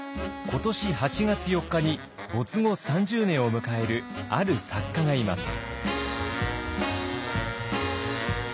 今年８月４日に没後３０年を迎えるある作家がいます。